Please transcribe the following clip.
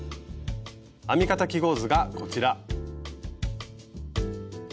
編み方記号図がこちら。